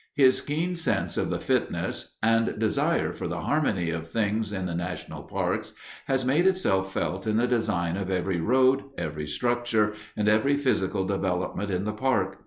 His keen sense of the fitness and desire for the harmony of things in the national parks has made itself felt in the design of every road, every structure, and every physical development in the Park.